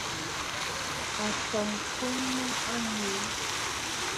Atɔm kwélnɛ a nuu.